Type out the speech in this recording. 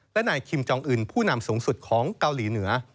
และนายคิมจองอื่นผู้นำสูงสุดของเกาหลีเหนือ